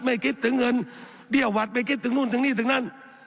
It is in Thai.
ไม่คิดถึงเงินเบี้ยหวัดไปคิดถึงนู่นถึงนี่ถึงนั่น